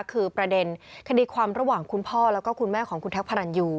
คือประเด็นคดีความระหว่างคุณพ่อแล้วก็คุณแม่ของคุณแท็กพระรันยู